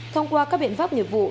thông qua các biện pháp nhiệm vụ